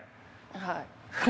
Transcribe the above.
はい。